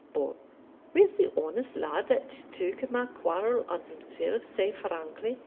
But where's the honest lad that tuik my quarrel on himself sae frankly?